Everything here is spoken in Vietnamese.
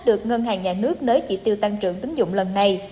được ngân hàng nhà nước nới chỉ tiêu tăng trưởng tính dụng lần này